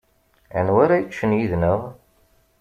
Anwa ara yeččen yid-neɣ?